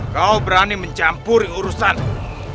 kau berani mencampuri urusanku